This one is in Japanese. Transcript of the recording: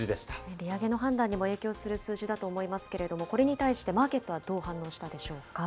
利上げの判断にも影響する数字だと思いますけれども、これに対して、マーケットはどう反応したでしょうか。